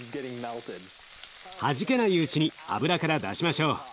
はじけないうちに油から出しましょう。